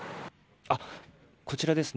こちらですね。